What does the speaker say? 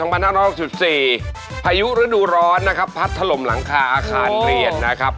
พายุฤดูร้อนนะครับพัดถล่มหลังคาอาคารเรียนนะครับ